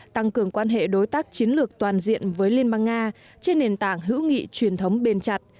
tăng cường quan hệ đối tác chiến lược toàn diện với liên bang nga trên nền tảng hữu nghị truyền thống bền chặt